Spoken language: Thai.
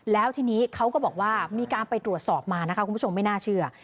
แล้วทีนี้เขาก็บอกว่ามีการไปตรวจสอบมานะคะคุณผู้ชมไม่น่าเชื่อ